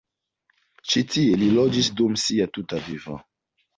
Ĉi tie li loĝis dum sia tuta vivo.